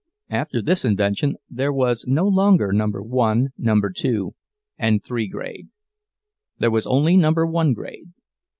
After this invention there was no longer Number One, Two, and Three Grade—there was only Number One Grade.